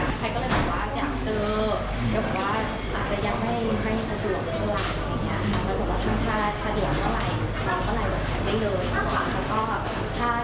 แล้วก็ถ้าติดขาดอะไรอยากจะต้องการความช่วยเหลือต่อหลาย